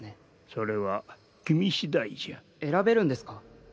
それは君しだいじゃ選べるんですか？